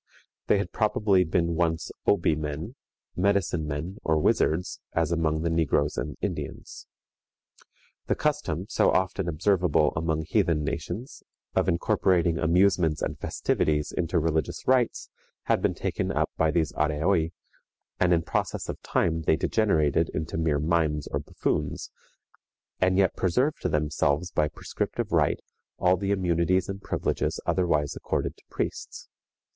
They had probably been once Obi men, medicine men, or wizards, as among the negroes and Indians. The custom, so often observable among heathen nations, of incorporating amusements and festivities into religious rites, had been taken up by these Areoi, and in process of time they degenerated into mere mimes or buffoons, and yet preserved to themselves by prescriptive right all the immunities and privileges otherwise accorded to priests.